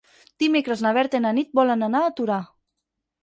Dimecres na Berta i na Nit volen anar a Torà.